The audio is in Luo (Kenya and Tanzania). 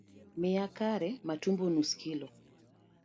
Miya kare matumbo nus kilo